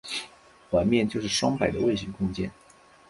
环面就是双摆的位形空间。